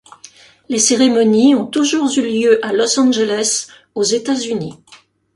Les cérémonies ont toujours eu lieu à Los Angeles, aux États-Unis.